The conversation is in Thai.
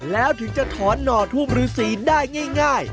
แล้วถึงจะถอนหน่อทูปฤษีได้ง่าย